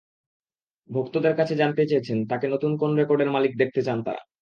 ভক্তদের কাছে জানতে চেয়েছেন, তাঁকে নতুন কোন রেকর্ডের মালিক দেখতে চান তাঁরা।